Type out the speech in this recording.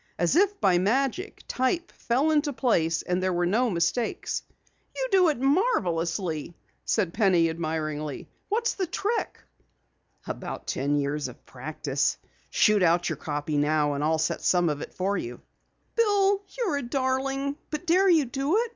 As if by magic, type fell into place, and there were no mistakes. "You do it marvelously," said Penny admiringly. "What's the trick?" "About ten years practice. Shoot out your copy now and I'll set some of it for you." "Bill, you're a darling! But dare you do it?